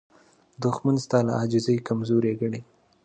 دښمن ستا له عاجزۍ کمزوري ګڼي